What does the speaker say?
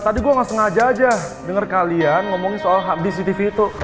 ya tadi gue nggak sengaja aja denger kalian ngomongin soal hdc tv itu